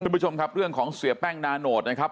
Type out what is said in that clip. คุณผู้ชมครับเรื่องของเสียแป้งนาโนตนะครับ